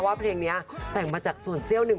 เพลงนี้แต่งมาจากส่วนเซี่ยวหนึ่ง